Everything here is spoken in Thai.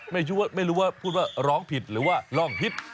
ไม่รู้ว่าพูดว่าร้องผิดหรือว่าร่องฮิต